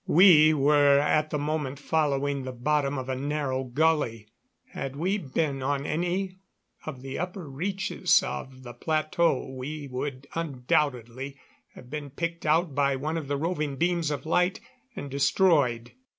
We were, at the moment, following the bottom of a narrow gully. Had we been on any of the upper reaches of the plateau we would undoubtedly have been picked out by one of the roving beams of light and destroyed.